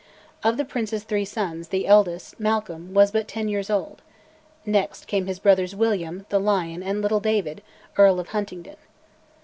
Of the prince's three sons, the eldest, Malcolm, was but ten years old; next came his brothers William ("the Lion") and little David, Earl of Huntingdon.